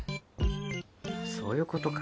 そういうことか。